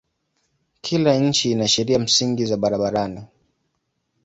Kila nchi ina sheria msingi za barabarani.